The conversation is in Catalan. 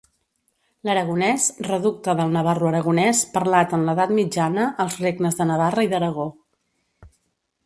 L'aragonès, reducte del navarroaragonès parlat en l'Edat Mitjana als regnes de Navarra i d’Aragó.